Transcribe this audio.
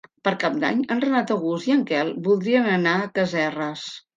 Per Cap d'Any en Renat August i en Quel voldrien anar a Casserres.